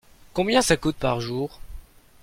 Combien ça coûte par jour ?